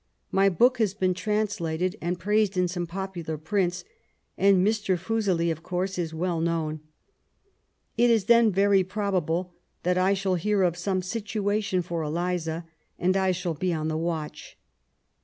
My book has been translated, and praised in some popular prints, and Mr. Fuseli of course is well known ; it is then very probable that I shall hear of some situation foB Eliza, and I shall be on the watch.